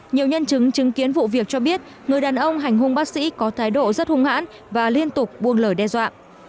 nhiều nhân chứng chứng kiến vụ việc cho biết người đàn ông hành hung bác sĩ có thái độ rất hung hãn và liên tục buông lời đe dọa